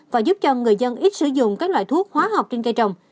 và giúp cho người dân ít sử dụng các loại thuốc hóa học trên cây trồng